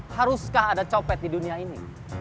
haruskah ada copet di dunia ini